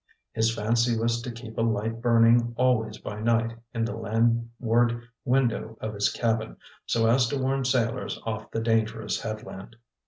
His fancy was to keep a light burning always by night in the landward window of his cabin, so as to warn sailors off the dangerous headland.